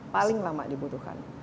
paling lama dibutuhkan